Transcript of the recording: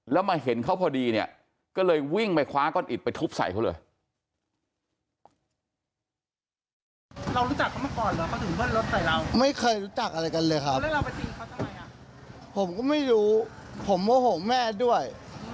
แล้วมาเห็นเขาพอดีเนี่ยก็เลยวิ่งไปคว้าก้อนอิดไปทุบใส่เขาเลย